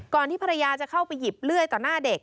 ที่ภรรยาจะเข้าไปหยิบเลื่อยต่อหน้าเด็ก